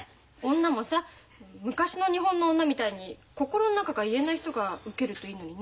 女もさ昔の日本の女みたいに心の中が言えない人が受けるといいのにね。